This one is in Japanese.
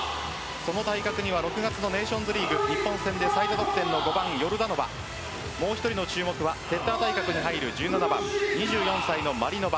その対角には６月のネーションズリーグ日本戦で最多得点の５番・ヨルダノバもう１人の注目はセッター対角に入る１７番２４歳のマリノバ。